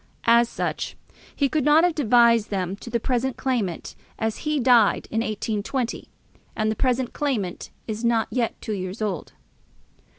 As such, he could not have devised them to the present claimant, as he died in 1820, and the present claimant is not yet two years old.